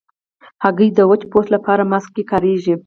هګۍ د وچ پوست لپاره ماسک کې کارېږي.